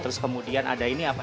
terus kemudian ada ini apa